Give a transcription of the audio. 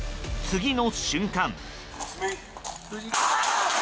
次の瞬間。